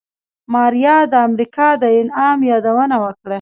ماريا د امريکا د انعام يادونه وکړه.